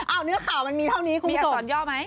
อ้าวเนื้อข่าวมันมีเท่านี้คุณผู้สมมีอักษรย่อไหม